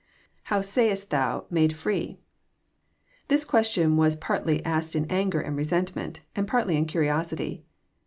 {^How sayest thou.. .made free f\ This question was partly asked in anger and resentment, and partly in curiosity.